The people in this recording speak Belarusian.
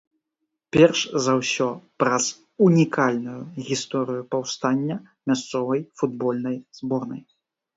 Перш за ўсё, праз унікальную гісторыю паўстання мясцовай футбольнай зборнай.